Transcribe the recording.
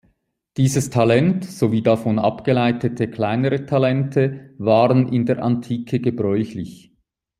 Dieses Talent sowie davon abgeleitete kleinere Talente waren in der Antike gebräuchlich.